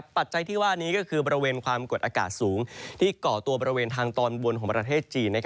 ปัจจัยที่ว่านี้ก็คือบริเวณความกดอากาศสูงที่ก่อตัวบริเวณทางตอนบนของประเทศจีน